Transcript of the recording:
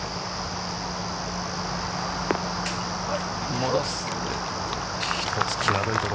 戻す。